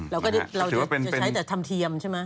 เราจะใช้แต่ธรรมเทียมใช่ไหม